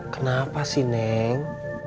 kenapa sih neng